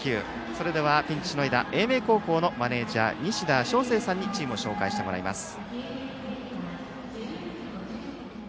それではピンチしのいだ英明高校のマネージャー西田翔星さんにチームを紹介してもらいます。